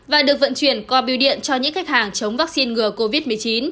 và được vận chuyển qua biêu điện cho những khách hàng chống vaccine ngừa covid một mươi chín